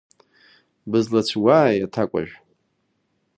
Бызлыцәгәааи аҭакәажә?